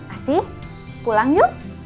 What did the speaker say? asih pulang yuk